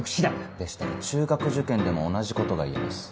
でしたら中学受験でも同じことが言えます。